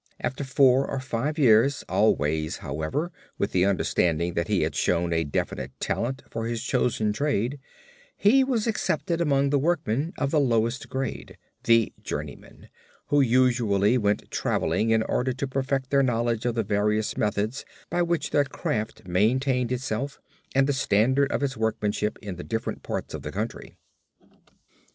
After four or five years, always, however, with the understanding that he had shown a definite talent for his chosen trade, he was accepted among the workmen of the lowest grade, the journeymen, who usually went traveling in order to perfect their knowledge of the various methods by which their craft maintained itself and the standard of its workmanship in the different parts of the country.